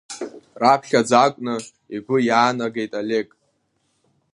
Раԥхьаӡа акәны игәы иаанагеит Олег.